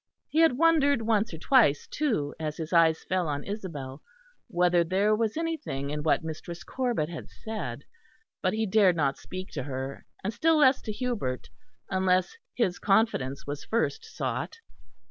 He had wondered once or twice, too, as his eyes fell on Isabel, whether there was anything in what Mistress Corbet had said; but he dared not speak to her, and still less to Hubert, unless his confidence was first sought.